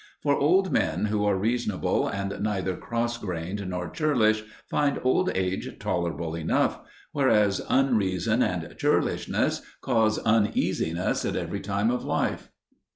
For old men who are reasonable and neither cross grained nor churlish find old age tolerable enough: whereas unreason and churlishness cause uneasiness at every time of life.